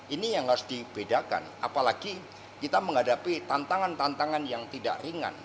ini yang harus dibedakan apalagi kita menghadapi tantangan tantangan yang tidak ringan